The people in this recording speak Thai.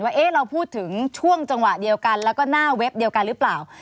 ว่าเราพูดถึงช่วงจังหวะเดียวกันแล้วก็หน้าเว็บเดียวกันหรือเปล่า